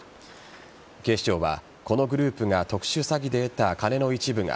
警視庁はこのグループが特殊詐欺で得た金の一部が